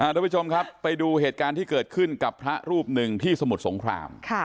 ทุกผู้ชมครับไปดูเหตุการณ์ที่เกิดขึ้นกับพระรูปหนึ่งที่สมุทรสงคราม